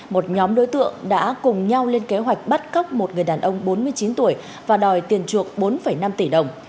một nhóm đối tượng đã cùng nhau lên kế hoạch bắt cóc một người đàn ông bốn mươi chín tuổi và đòi tiền chuộc bốn năm tỷ đồng